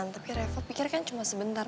tapi revo pikir kan cuma sebentar